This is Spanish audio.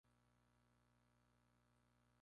Stahler-Sholk, Richard.